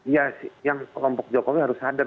ya yang kelompok jokowi harus sadar